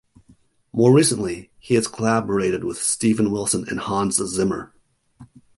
More recently, he has collaborated with Steven Wilson and Hans Zimmer.